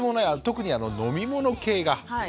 特に飲み物系が。